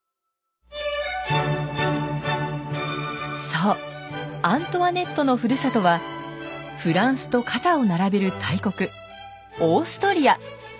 そうアントワネットのふるさとはフランスと肩を並べる大国オーストリア！